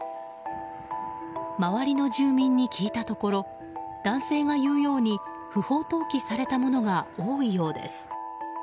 周りの住民に聞いたところ男性が言うように不法投棄されたものが多いようです。